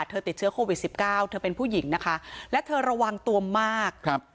ติดเชื้อโควิดสิบเก้าเธอเป็นผู้หญิงนะคะและเธอระวังตัวมากครับ